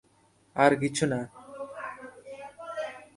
আর কিছু না।